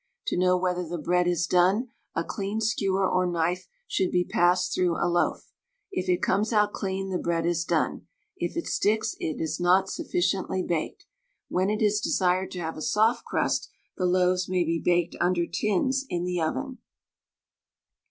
To know whether the bread is done, a clean skewer or knife should be passed through a loaf. It it comes out clean the bread is done; if it sticks it not sufficiently baked. When it is desired to have a soft crust, the loaves may be baked under tins in the oven.